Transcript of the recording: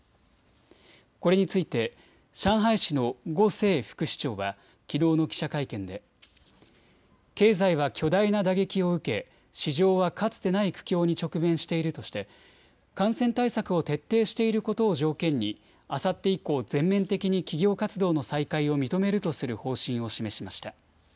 これについて上海市の呉清副市長はきのうの記者会見で経済は巨大な打撃を受け市場はかつてない苦境に直面しているとして感染対策を徹底していることを条件にあさって以降、全面的に企業活動の再開を認めるとする方針を示しました。